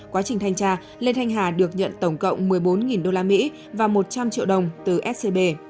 quá trình thanh tra lê thanh hà được nhận tổng cộng một mươi bốn usd và một trăm linh triệu đồng từ scb